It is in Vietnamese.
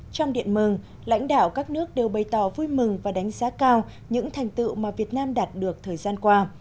trong điện mừng lãnh đạo các nước đều bày tỏ vui mừng và đánh giá cao những thành tựu mà việt nam đạt được thời gian qua